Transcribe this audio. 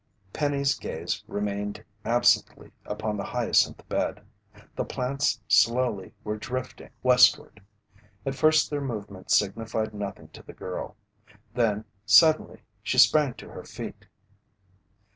Penny's gaze remained absently upon the hyacinth bed. The plants slowly were drifting westward. At first their movement signified nothing to the girl. Then suddenly, she sprang to her feet.